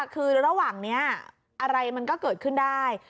คือระหว่างนี้อะไรมันก็เกิดขึ้นได้